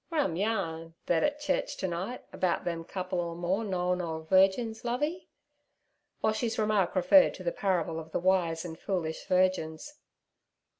'Rum yarn thet et church t' night about them couple or more knowin' ole virgins, Lovey.' Boshy's remark referred to the parable of the Wise and Foolish Virgins.